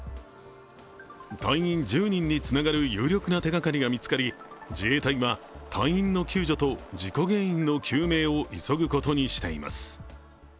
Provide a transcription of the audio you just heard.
隊員１０人につながる有力な手がかりが見つかり自衛隊は、隊員の救助と事故原因の究明を急ぐことにしています。